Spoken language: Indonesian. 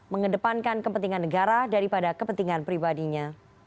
mengedepankan kepentingan negara daripada kepentingan pribadinya